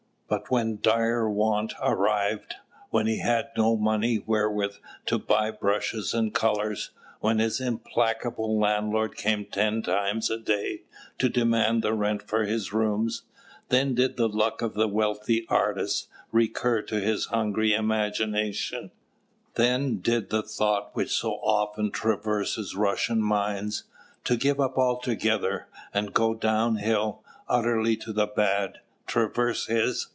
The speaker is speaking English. But when dire want arrived, when he had no money wherewith to buy brushes and colours, when his implacable landlord came ten times a day to demand the rent for his rooms, then did the luck of the wealthy artists recur to his hungry imagination; then did the thought which so often traverses Russian minds, to give up altogether, and go down hill, utterly to the bad, traverse his.